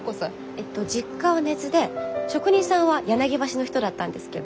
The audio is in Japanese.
えっと実家は根津で職人さんは柳橋の人だったんですけど。